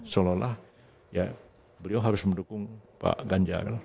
seolah olah ya beliau harus mendukung pak ganjar